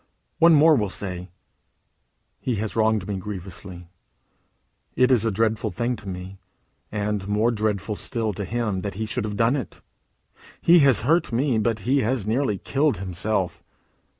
One more will say: "He has wronged me grievously. It is a dreadful thing to me, and more dreadful still to him, that he should have done it. He has hurt me, but he has nearly killed himself.